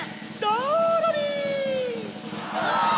ドロリン！